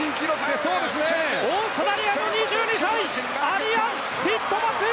オーストラリアの２２歳アリアン・ティットマス